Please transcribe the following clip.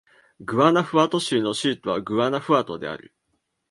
グアナフアト州の州都はグアナフアトである